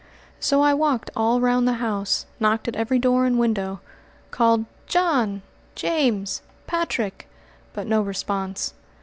So I walked all round the house, knocked at every door and window, called "John!" "James!" "Patrick!" but no response.